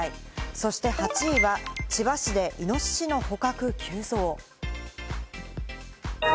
そして８位は、千葉市でイノシシの捕獲急増。